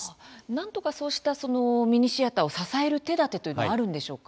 なんとか、そうしたミニシアターを支える手だてというのは、あるんでしょうか。